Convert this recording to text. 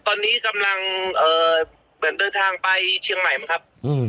ตอนนี้กำลังเดินทางไปเชียงใหม่ครับ